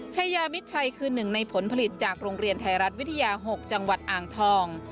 ชายามิดชัยคือหนึ่งในผลผลิตจากโรงเรียนไทยรัฐวิทยา๖จังหวัดอ่างทอง